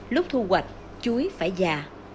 lúc thu hoạch chuối phải già